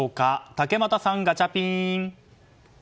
竹俣さん、ガチャピン。